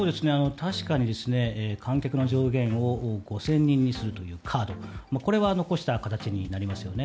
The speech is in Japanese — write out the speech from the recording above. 確かに観客の上限を５０００人にするというカードこれは残した形になりますよね。